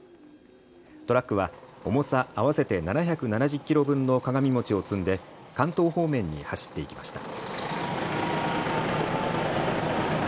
トラックは重さ合わせて７７０キロ分の鏡餅を積んで関東方面に走っていきました。